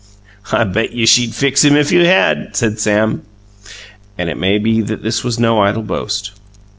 "I bet you she'd fix him if you had!" said Sam. And it may be that this was no idle boast.